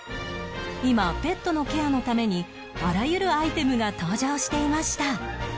今ペットのケアのためにあらゆるアイテムが登場していました